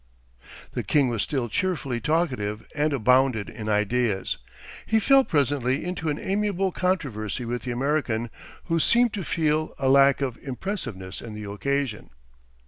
The king was still cheerfully talkative and abounded in ideas. He fell presently into an amiable controversy with the American, who seemed to feel a lack of impressiveness in the occasion.